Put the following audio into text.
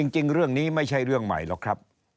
จริงเรื่องนี้ไม่ใช่เรื่องใหม่หรอกครับ